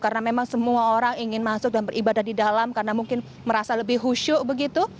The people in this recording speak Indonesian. karena memang semua orang ingin masuk dan beribadah di dalam karena mungkin merasa lebih husyuk begitu